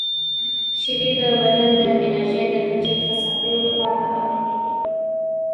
• شیدې د بدن د انرژۍ د کچې ښه ساتلو لپاره اړینې دي.